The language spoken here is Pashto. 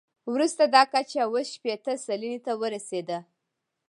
وروسته دا کچه اووه شپېته سلنې ته ورسېده.